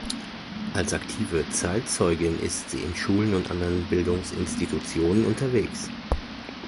Als aktive Zeitzeugin ist sie in Schulen und anderen Bildungsinstitutionen unterwegs.